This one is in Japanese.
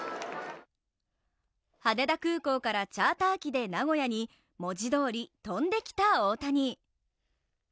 羽田空港からチャーター機で名古屋に文字通り飛んできた大谷。